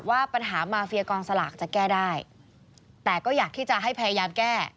ว่าปัญหามาเฟียกองสลากจะแก้ได้แต่ก็อยากที่จะให้พยายามแก้